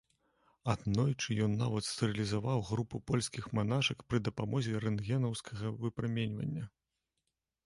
Аднойчы ён нават стэрылізаваў групу польскіх манашак пры дапамозе рэнтгенаўскага выпраменьвання.